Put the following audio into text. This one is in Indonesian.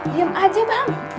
diam aja bang